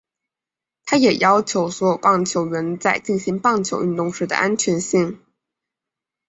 他也很要求所有棒球员在进行棒球运动时的安全性。